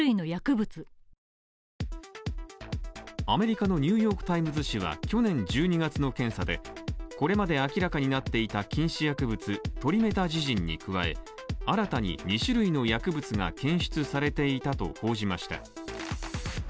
アメリカの「ニューヨーク・タイムズ」紙は去年１２月の検査でこれまで明らかになっていた禁止薬物トリメタジジンに加え新たに２種類の薬物が検出されていたと報じました。